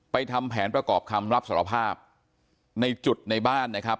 ทำแผนประกอบคำรับสารภาพในจุดในบ้านนะครับ